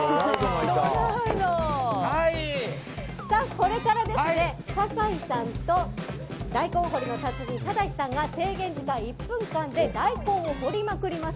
これから酒井さんと大根掘りの達人正さんが制限時間１分で大根を掘りまくります。